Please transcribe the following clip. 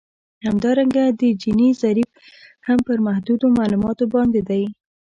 همدارنګه د جیني ضریب هم پر محدودو معلوماتو باندې دی